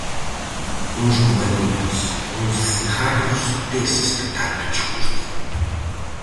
Uns cubalibres, uns cigarros deses que tanto che gustan.